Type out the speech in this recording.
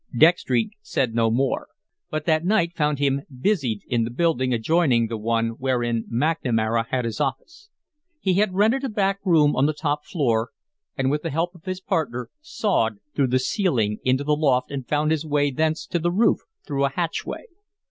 Dextry said no more, but that night found him busied in the building adjoining the one wherein McNamara had his office. He had rented a back room on the top floor, and with the help of his partner sawed through the ceiling into the loft and found his way thence to the roof through a hatchway.